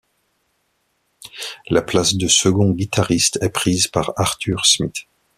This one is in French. La place de second guitariste est prise par Artur Szmit.